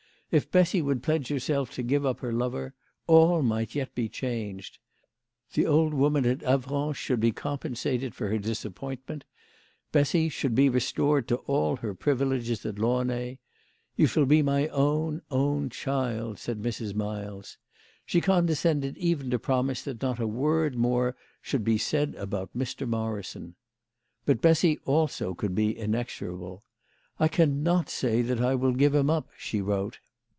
If Bessy would pledge herself to give up her lover all might yet be changed. The old woman at Avranches should be compensated for her disappointment. Bessy should be restored to all her privileges at Launay. "You shall be my own, own child," said Mrs. Miles. She condescended even to promise that not a word more should be said about Mr. Morrison. But Bessy also could be inexorable. " I cannot say that I will give him up," she wrote.